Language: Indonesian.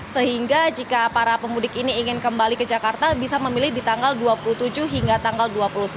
sehingga jika para pemudik ini ingin kembali ke jakarta bisa memilih di tanggal dua puluh tujuh hingga tanggal dua puluh sembilan